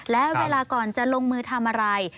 และเวลาก่อนจะลงมือทำอะไร